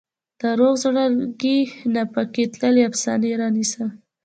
د روغ زړګي نه پکې تللې افسانې رانیسم